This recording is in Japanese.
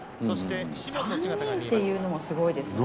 ３人っていうのもすごいですね。